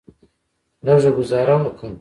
لږه ګوزاره وکه.